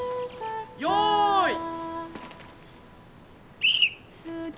よい。